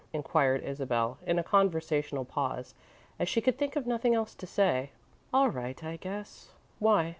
inquired Isabel, in a conversational pause, as she could think of nothing else to say. "All right, I guess. Why?"